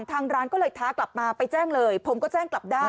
ทางร้านก็เลยท้ากลับมาไปแจ้งเลยผมก็แจ้งกลับได้